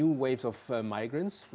wawasan baru dari migrasi